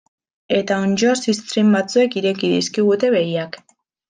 Eta onddo ziztrin batzuek ireki dizkigute begiak.